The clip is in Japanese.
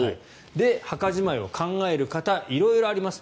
墓じまいを考える方色々あります。